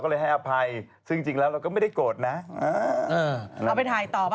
คงจะใส่จากไอยาลาอะไรอย่างนี้นะเธอนะ